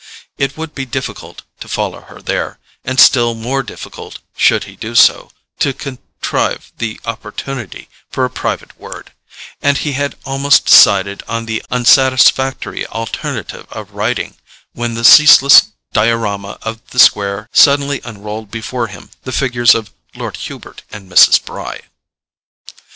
It would be difficult to follow her there, and still more difficult, should he do so, to contrive the opportunity for a private word; and he had almost decided on the unsatisfactory alternative of writing, when the ceaseless diorama of the square suddenly unrolled before him the figures of Lord Hubert and Mrs. Bry.